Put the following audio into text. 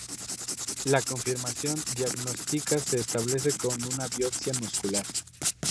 La confirmación diagnóstica se establece con una biopsia muscular.